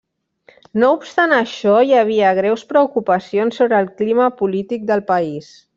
No obstant això, hi havia greus preocupacions sobre el clima polític del país.